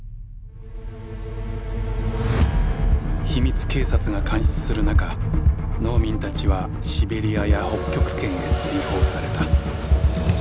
秘密警察が監視する中農民たちはシベリアや北極圏へ追放された。